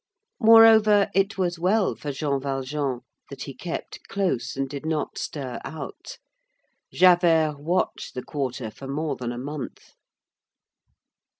Moreover, it was well for Jean Valjean that he kept close and did not stir out. Javert watched the quarter for more than a month.